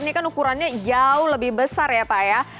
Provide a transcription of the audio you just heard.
ini kan ukurannya jauh lebih besar ya pak ya